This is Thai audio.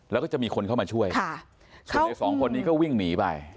แล้วก็จะมีคนเข้ามาช่วยส่วนในสองคนนี้ก็วิ่งหนีไป